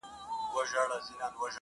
زاړه خلک چوپتيا غوره کوي,